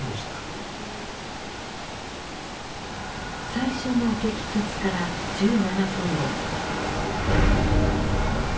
最初の激突から１７分後。